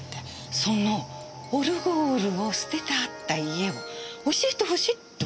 そのオルゴールを捨ててあった家を教えてほしいっておっしゃるんです。